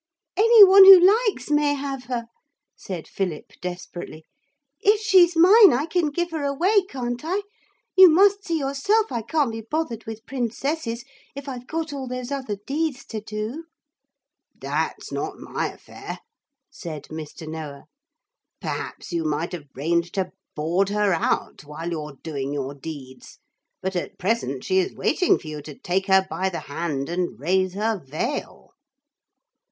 'Any one who likes may have her,' said Philip desperately. 'If she's mine, I can give her away, can't I? You must see yourself I can't be bothered with princesses if I've got all those other deeds to do.' 'That's not my affair,' said Mr. Noah. 'Perhaps you might arrange to board her out while you're doing your deeds. But at present she is waiting for you to take her by the hand and raise her veil.'